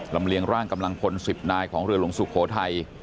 เลียงร่างกำลังพล๑๐นายของเรือหลวงสุโขทัย